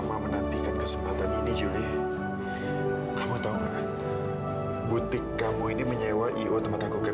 mama dan papa kamu sehat kok